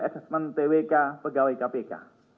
assessment twk pegawai kpk